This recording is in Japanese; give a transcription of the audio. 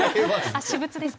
私物ですか？